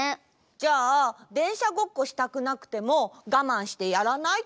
じゃあでんしゃごっこしたくなくてもがまんしてやらないといけないの？